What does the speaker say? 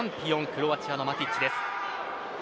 クロアチアのマティッチです。